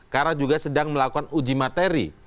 karena juga sedang melakukan uji materi